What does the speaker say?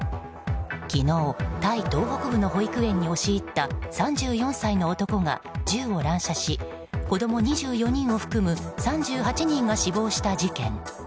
昨日、タイ東北部の保育園に押し入った３４歳の男が銃を乱射し子供２４人を含む３８人が死亡した事件。